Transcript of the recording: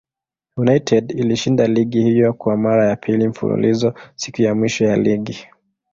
United ilishinda ligi hiyo kwa mara ya pili mfululizo siku ya mwisho ya ligi.